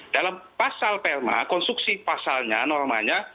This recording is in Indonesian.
dalam pasal perma konstruksi pasalnya normanya